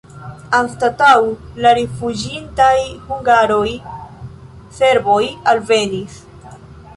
Anstataŭ la rifuĝintaj hungaroj serboj alvenis.